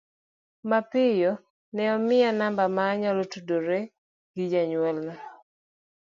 Mapiyo, ne omiya namba ma anyalo tudorego gi jonyuolna.